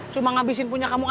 cuma ngabisin punya kamu